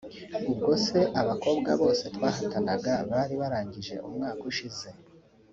Ubwose abakobwa bose twahatanaga bari barangije umwaka ushize